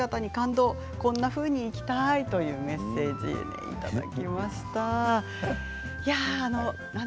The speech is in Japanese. こんなふうに生きたいとメッセージをいただきました。